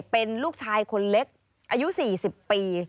เป็นลูกชายคนเล็กอายุ๔๐ปี